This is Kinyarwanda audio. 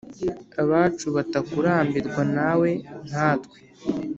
abacu, batakurambirwa nawe nkatwe